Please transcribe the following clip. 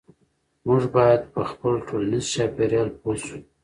موږ باید په خپل ټولنیز چاپیریال پوه شو.